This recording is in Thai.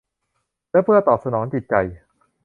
และเพื่อตอบสนองจิตใจ